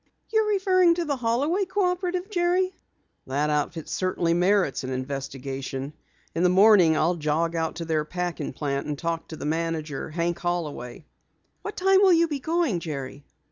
"You're referring to the Holloway Cooperative, Jerry?" "That outfit certainly merits an investigation. In the morning I'll jog out to their packing plant and talk to the manager, Hank Holloway." "What time will you be going, Jerry?"